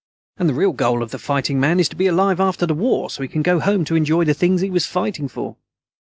And the real goal of the fighting man is to be alive after the war so he can go home to enjoy the things he was fighting for."